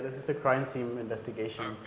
di masa depan akan berjalan